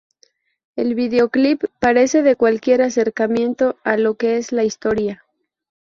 El videoclip carece de cualquier acercamiento a lo que es la historia.